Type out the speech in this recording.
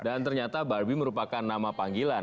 dan ternyata barbie merupakan nama panggilan